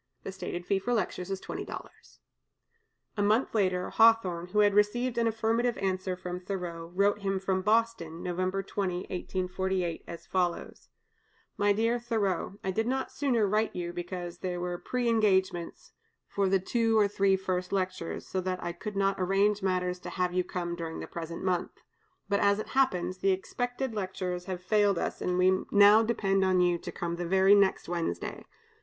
The stated fee for lectures is $20." A month later, Hawthorne, who had received an affirmative answer from Thoreau, wrote to him from Boston (November 20, 1848), as follows: "MY DEAR THOREAU, I did not sooner write you, because there were preëngagements for the two or three first lectures, so that I could not arrange matters to have you come during the present month. But, as it happens, the expected lectures have failed us, and we now depend on you to come the very next Wednesday.